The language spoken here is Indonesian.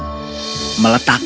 meletakkannya di atas kertas